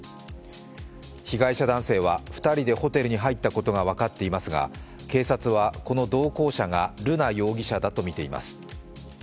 被害者男性は２人でホテルに入ったことが分かっていますが警察はこの同行者が瑠奈容疑者とみています。